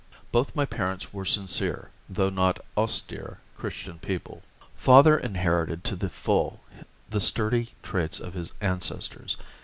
Both my parents were sincere, though not austere, Christian people. Father inherited to the full the sturdy traits of his ancestors.